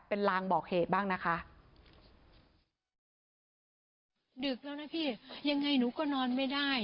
เป็นลางบอกเหตุบ้างนะคะ